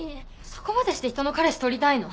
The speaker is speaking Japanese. そこまでして人の彼氏取りたいの？